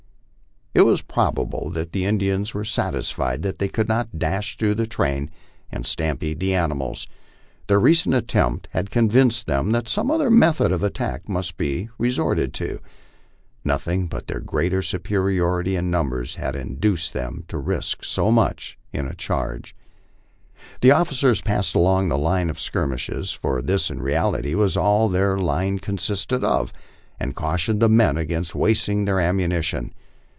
It was probable that the Indians were satisfied that they could not dash through the train and stampede the animals. Their recent attempt had con vinced them that some other method of attack must be resorted to. Nothing but their greater superiority in numbers had induced them to risk so much in I charge. The officers pass eu along the line of skirmishers for this in reality was all then line consisteo of and cautioned the men against wasting their ammuni tion.